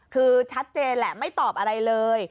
คือชัดเจนแหละไม่ตอบอะไรเลย